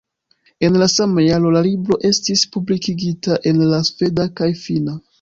En la sama jaro la libro estis publikigita en la sveda kaj finna.